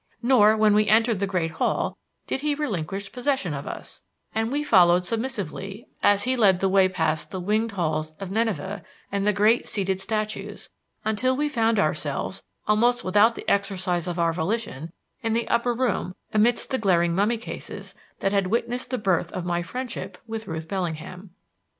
Nor, when we entered the great hall, did he relinquish possession of us, and we followed submissively, as he led the way past the winged bulls of Nineveh and the great seated statues, until we found ourselves, almost without the exercise of our volition, in the upper room amidst the glaring mummy cases that had witnessed the birth of my friendship with Ruth Bellingham.